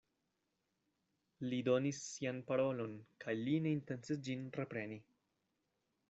Li donis sian parolon, kaj li ne intencis ĝin repreni.